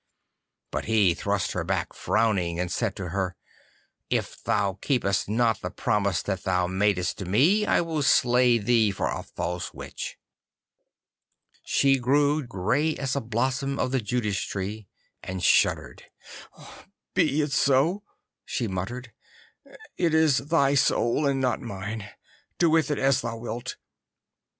But he thrust her back frowning, and said to her, 'If thou keepest not the promise that thou madest to me I will slay thee for a false witch.' She grew grey as a blossom of the Judas tree, and shuddered. 'Be it so,' she muttered. 'It is thy soul and not mine. Do with it as thou wilt.